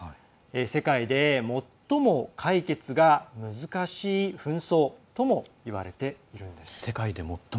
世界で最も解決が難しい紛争とも言われているんです。